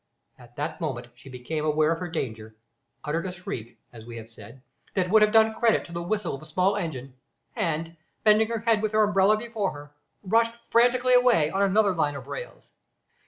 At that moment she became aware of her danger, uttered a shriek, as we have said, that would have done credit to the whistle of a small engine, and, bending her head with her umbrella before her, rushed frantically away on another line of rails.